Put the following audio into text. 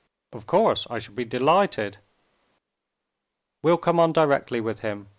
"Of course; I shall be delighted." "We'll come on directly with him.